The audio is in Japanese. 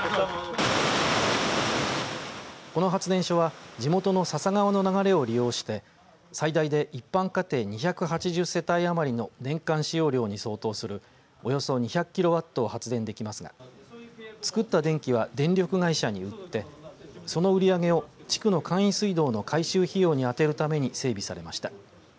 この発電所は地元の笹川の流れを利用して最大で一般家庭２８０世帯余りの年間使用量に相当するおよそ２００キロワットを発電できますが作った電気は電力会社に売ってその売り上げを地区の簡易水道の改修費用に充てるために整備されました。